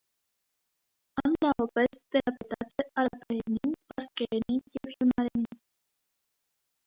Ան լաւապէս տերապետած է արաբերէնին, պարսկերէնին եւ յունարէնին։